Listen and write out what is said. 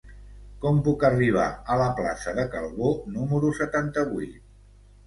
Com puc arribar a la plaça de Calvó número setanta-vuit?